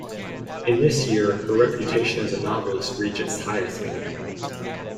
In this year her reputation as a novelist reached its highest point.